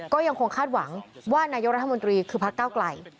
ก็ยังคงคาดหวังว่านายกรัฐมนตรีคือพักเก้าไกล